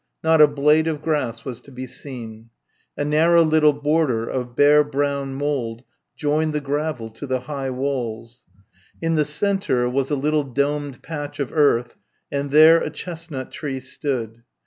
Not a blade of grass was to be seen. A narrow little border of bare brown mould joined the gravel to the high walls. In the centre was a little domed patch of earth and there a chestnut tree stood.